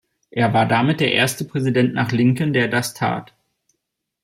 Er war damit der erste Präsident nach Lincoln, der das tat.